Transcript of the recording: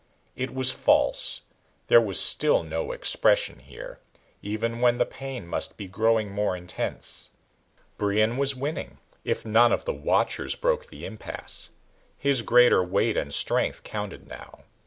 It was false; there was still no expression here, even when the pain must be growing more intense. Brion was winning if none of the watchers broke the impasse. His greater weight and strength counted now.